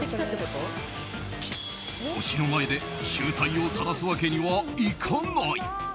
推しの前で醜態をさらすわけにはいかない！